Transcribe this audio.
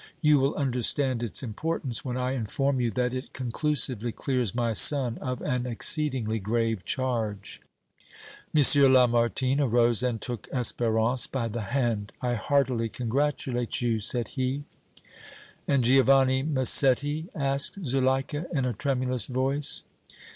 You will understand its importance when I inform you that it conclusively clears my son of an exceedingly grave charge." M. Lamartine arose and took Espérance by the hand. "I heartily congratulate you," said he. "And Giovanni Massetti?" asked Zuleika, in a tremulous voice.